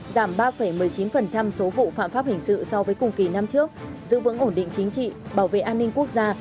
giảm ba một mươi chín số vụ phạm pháp hình sự so với cùng kỳ năm trước giữ vững ổn định chính trị bảo vệ an ninh quốc gia